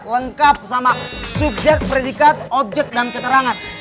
lengkap sama subjek predikat objek dan keterangan